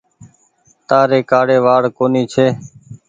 تآري ڪآڙي وآڙ ڪونيٚ ڇي۔